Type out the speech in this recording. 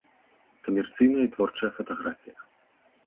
Камерцыйная і творчая фатаграфія.